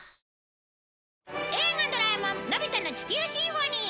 『映画ドラえもんのび太の地球交響楽』。